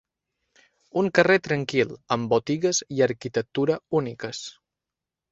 Un carrer tranquil amb botigues i arquitectura úniques.